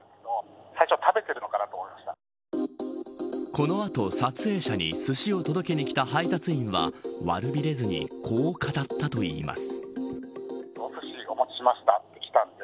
この後、撮影者にすしを届けに来た配達員は悪びれずにこう語ったといいます。